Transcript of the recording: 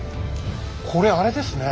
これあれですね。